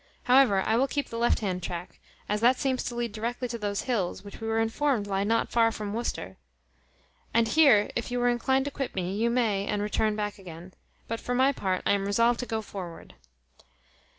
However, I will keep the left hand track, as that seems to lead directly to those hills, which we were informed lie not far from Worcester. And here, if you are inclined to quit me, you may, and return back again; but for my part, I am resolved to go forward."